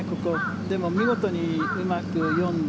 でも、見事にうまく読んで。